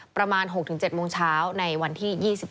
ประมาณ๖๗โมงเช้าในวันที่๒๗